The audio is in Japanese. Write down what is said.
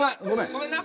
ごめんな。